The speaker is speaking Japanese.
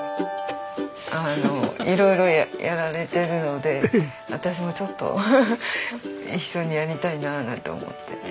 あの色々やられてるので私もちょっとフフッ一緒にやりたいななんて思って。